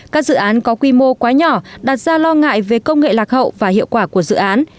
các dự án có quy mô quá nhỏ đặt ra lo ngại về công nghệ lạc hậu và hiệu quả của dự án